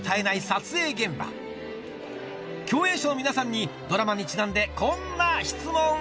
撮影現場共演者の皆さんにドラマにちなんでこんな質問！